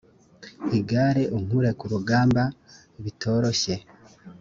igare unkure ku rugamba bitoroshye